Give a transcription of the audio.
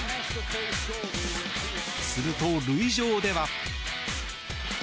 すると、塁上では。